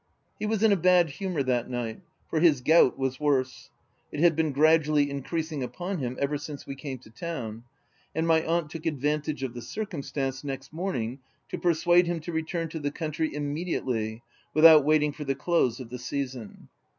He was in a bad humour that night ; for his gout was worse. It had been gradually OF WILDFELL HALL, 315 increasing upon him ever since we came to town ; and my aunt took advantage of the circumstance, next morning, to persuade him to return to the country immediately, without waiting for the close of the season.